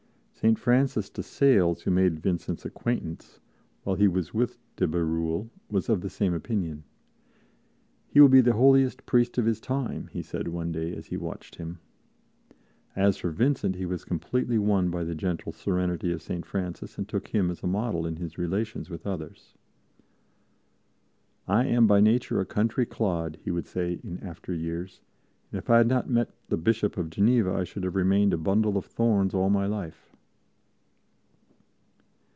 St. Francis de Sales, who made Vincent's acquaintance while he was with de Bérulle, was of the same opinion. "He will be the holiest priest of his time," he said one day as he watched him. As for Vincent, he was completely won by the gentle serenity of St. Francis and took him as model in his relations with others. "I am by nature a country clod," he would say in after years, "and if I had not met the Bishop of Geneva, I should have remained a bundle of thorns all my life."